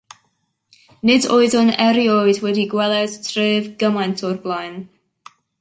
Nid oeddwn erioed wedi gweled tref gymaint o'r blaen.